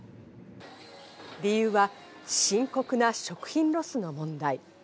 理由は深刻な食品ロスの問題。